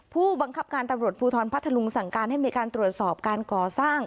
ผู้บังคับการตำรวจภูทรพัทธลุงสั่งการให้มีการตรวจสอบการก่อสร้าง